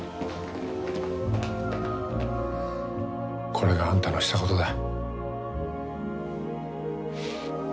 これがあんたのしたことだ。